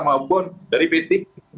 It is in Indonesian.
maupun dari pt